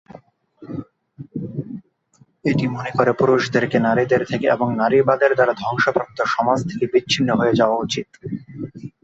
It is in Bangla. এটি মনে করে পুরুষদেরকে নারীদের থেকে এবং "নারীবাদের দ্বারা ধ্বংসপ্রাপ্ত সমাজ" থেকে বিছিন্ন হয়ে যাওয়া উচিত।